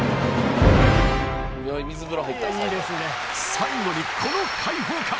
最後にこの解放感！